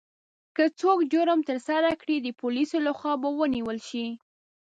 که څوک جرم ترسره کړي، د پولیسو لخوا به ونیول شي.